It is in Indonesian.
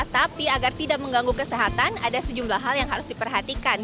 tapi agar tidak mengganggu kesehatan ada sejumlah hal yang harus diperhatikan